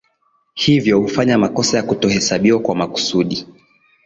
Hivyo hufanya makosa ya kutohesabiwa kwa makusudi